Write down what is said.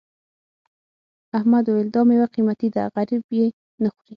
احمد وویل دا میوه قيمتي ده غريب یې نه خوري.